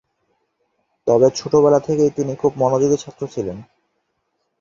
তবে ছোটবেলা থেকেই তিনি খুব মনোযোগী ছাত্র ছিলেন।